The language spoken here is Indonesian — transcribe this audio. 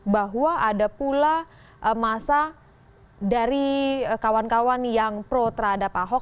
bahwa ada pula masa dari kawan kawan yang pro terhadap ahok